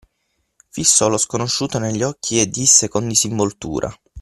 Fissò lo sconosciuto negli occhi e disse con disinvoltura.